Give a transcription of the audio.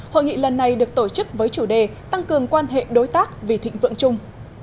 hội nghị lần này được tổ chức với chủ đề tăng cường quan hệ đối tác vì thịnh vượng chung